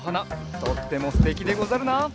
とってもすてきでござるな。